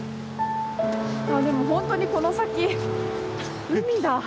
でも本当にこの先海だ。